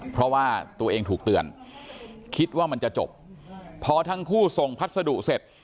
เพราะว่าตัวเองถูกเตือนคิดว่ามันจะจบพอทั้งคู่ส่งพัสดุเสร็จ